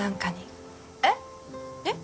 えっ？えっ？